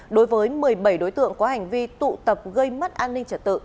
đối với một mươi bảy đối tượng có hành vi tụ tập gây mất an ninh trật tự